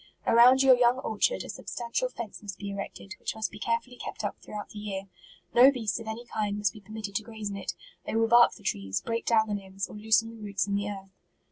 Around your young orchard, a substantial fence must be erected, which must be care fully kept up throughout the year. No beasts of any kind must be permitted to graze in it : they will bark the trees, break down the limbs, or loosen the roots in the earth.